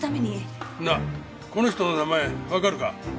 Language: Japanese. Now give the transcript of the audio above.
なあこの人の名前わかるか？